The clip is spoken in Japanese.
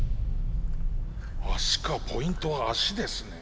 足かポイントは足ですね。